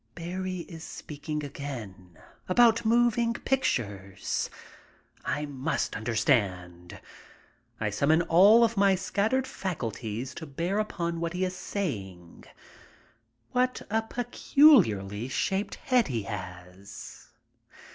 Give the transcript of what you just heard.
Barrie is speaking again about moving pictures. I must understand. I summon all of my scattered faculties to bear upon what he is saying. What a peculiarly shaped head he has.